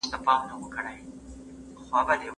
وراره وپوښتل چې دا څوک دی؟